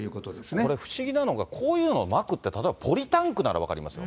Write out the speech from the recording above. これ、不思議なのが、こういうのをまくって、例えばポリタンクなら分かりますよ。